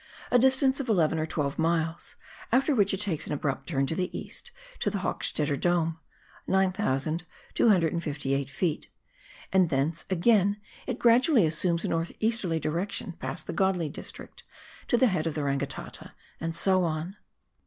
a distance of eleven or twelve miles, after which it takes an abrupt turn to the east, to the Hochstetter Dome (9,258 ft.), and thence, again, it gradually assumes a north easterly direction past the Godley district to the head of the Rangitata, and so on.